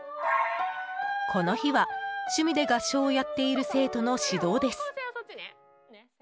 この日は、趣味で合唱をやっている生徒の指導です。